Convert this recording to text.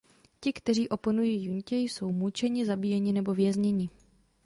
Ti, kteří oponují juntě, jsou mučeni, zabíjeni nebo vězněni.